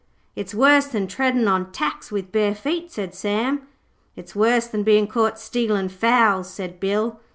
'It's worse than treading on tacks with bare feet,' said Sam. 'It's worse than bein' caught stealin' fowls,' said Bill.